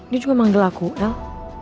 dia juga manggil aku dong